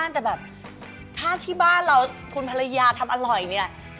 แล้วคุณออฟเห็นไหมเมนูเปลี่ยน๒